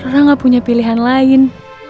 saya gak punya pilihan lain